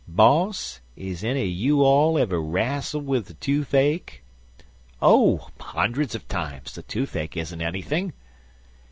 Boss, is enny er you all ever rastled wid de toofache?" "Oh, hundreds of times! The toothache isn't anything."